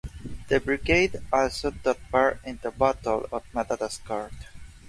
The brigade also took part in the Battle of Madagascar.